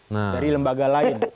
dari lembaga lain